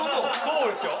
そうですよ。